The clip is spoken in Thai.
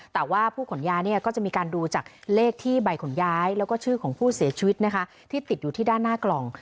แต่ว่าผู้ขนย้ายเนี่ยก็จะมีการดูจากเลขที่ใบขนย้ายแล้วก็ชื่อของผู้เสียชีวิตนะคะที่ติดอยู่ที่ด้านหน้ากล่อง